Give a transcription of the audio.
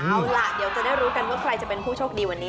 เอาล่ะเดี๋ยวจะได้รู้กันว่าใครจะเป็นผู้โชคดีวันนี้